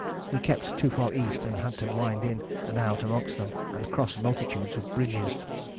We kept too far east and had to wind in and out amongst them and cross multitudes of bridges.